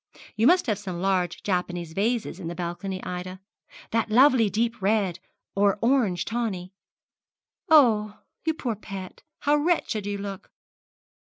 You must have some large Japanese vases in the balcony, Ida. That lovely deep red, or orange tawny. Oh, you poor pet, how wretched you look!'